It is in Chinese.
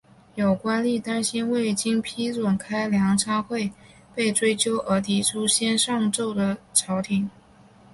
有官吏担心未经批准开粮仓会被追究而提出先上奏朝廷。